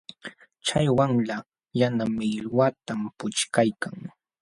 Chay wamla yana millwatam puchkaykan.